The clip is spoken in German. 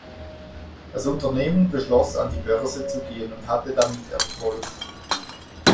Das Unternehmen beschloss an die Börse zu gehen und hatte damit Erfolg.